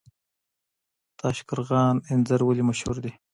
تاشقرغان انځر ولې مشهور دي؟